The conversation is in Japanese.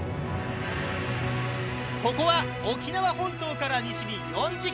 ここは沖縄本島から西に４０ｋｍ。